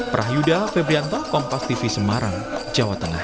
prahyuda febrianto kompas tv semarang jawa tengah